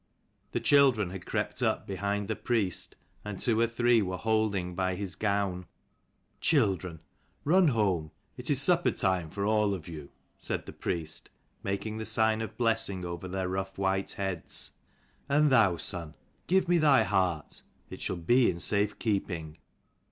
The children had crept up behind the priest, and two or three were holding by his gown. "Children, run home: it is supper time for all of you," said the priest, making the sign of blessing over their rough white heads. "And thou, son, give me thy heart. It shall be in safe keeping."